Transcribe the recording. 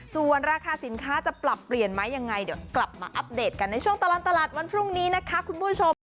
ส่วนราคาสินค้าจะปรับเปลี่ยนไหมยังไงเดี๋ยวกลับมาอัปเดตกันในช่วงตลอดตลาดวันพรุ่งนี้นะคะคุณผู้ชม